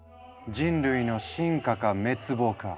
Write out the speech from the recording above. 人類の進化か滅亡か！